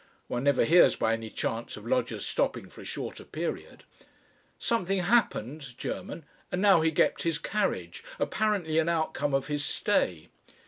(One never hears by any chance of lodgers stopping for a shorter period.) Something happened (German) and now he kept his carriage apparently an outcome of his stay.